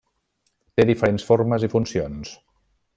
Té diferents formes i funcions.